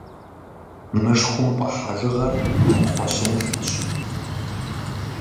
Мышхумпӏэ хьэжыгъэр кхъуэщыныфэщ.